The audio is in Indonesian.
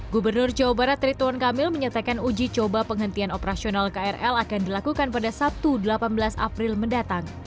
gubernur jawa barat rituan kamil menyatakan uji coba penghentian operasional krl akan dilakukan pada sabtu delapan belas april mendatang